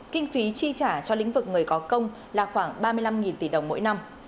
kinh phí chi trả cho lĩnh vực người có công là khoảng ba mươi năm tỷ đồng mỗi năm